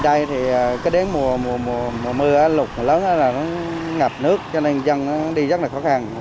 ở đây thì có đến mùa mưa lục lớn là ngập nước cho nên dân đi rất là khó khăn